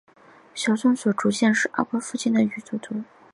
小松左京的祖先是阿波外房附近活动的渔夫家族。